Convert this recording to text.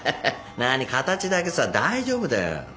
なぁに形だけさ大丈夫だよ。